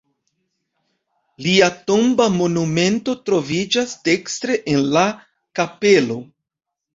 Lia tomba monumento troviĝas dekstre en la kapelo.